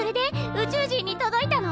宇宙人に届いたの？